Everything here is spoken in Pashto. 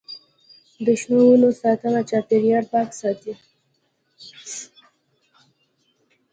د شنو ونو ساتنه چاپیریال پاک ساتي.